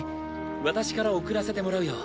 私から贈らせてもらうよ。